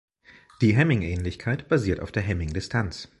Die "Hamming-Ähnlichkeit" basiert auf der Hamming-Distanz.